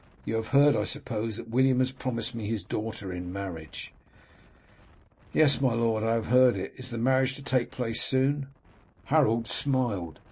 You have heard, I suppose, that William has promised me his daughter in marriage?" "Yes, my lord, I have heard it. Is the marriage to take place soon?" Harold smiled.